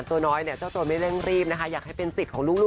ไม่ใช่งานแป้ง